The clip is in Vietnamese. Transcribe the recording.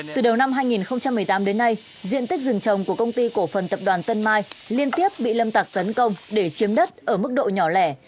từ đầu năm hai nghìn một mươi tám đến nay diện tích rừng trồng của công ty cổ phần tập đoàn tân mai liên tiếp bị lâm tặc tấn công để chiếm đất ở mức độ nhỏ lẻ